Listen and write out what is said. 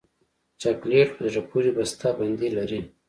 چاکلېټ په زړه پورې بسته بندي لري.